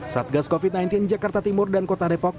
satgas covid sembilan belas jakarta timur dan kota depok